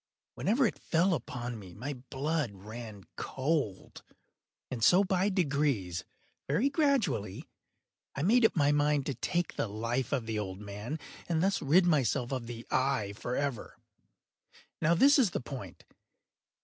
Whenever it fell upon me, my blood ran cold; and so by degrees—very gradually—I made up my mind to take the life of the old man, and thus rid myself of the eye forever. Now this is the point.